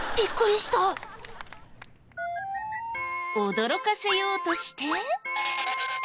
驚かせようとして。